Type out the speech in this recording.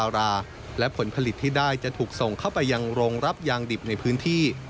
รงรับยางดิบในพื้นที่